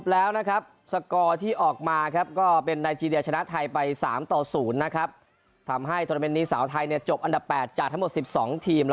แล้วนะครับสกอร์ที่ออกมาครับก็เป็นไนเผยชนะไทยไปสามต่อศูนย์นะครับทำให้ธุระเมนนิสาวไทยเนี้ยจบอันด้าแปดจากทั้งหมดสิบสองทีม